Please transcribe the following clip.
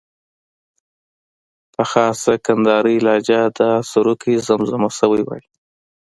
په خاصه کندارۍ لهجه دا سروکی زمزمه شوی وای.